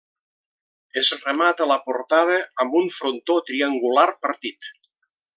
Es remata la portada amb un frontó triangular partit.